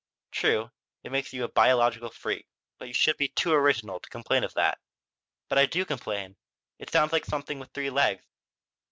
"True, it makes you a biological freak. But you should be too original to complain of that." "But I do complain. It sounds like something with three legs.